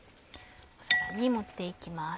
皿に盛っていきます。